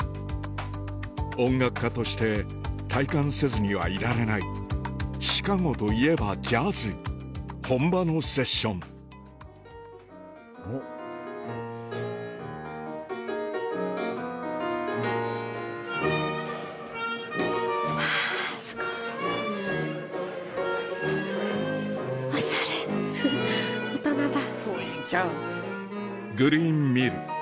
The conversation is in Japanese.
音楽家として体感せずにはいられないシカゴといえばジャズ本場のセッションＧｒｅｅｎＭｉｌｌ